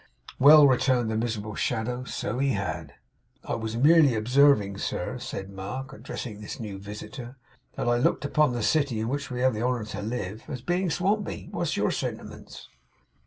'Well!' returned the miserable shadow. 'So he had.' 'I was merely observing, sir,' said Mark, addressing this new visitor, 'that I looked upon the city in which we have the honour to live, as being swampy. What's your sentiments?